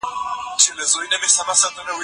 کلیسا په خلګو او حکومت ډېر نفوذ درلود.